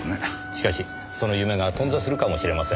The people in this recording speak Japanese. しかしその夢が頓挫するかもしれません。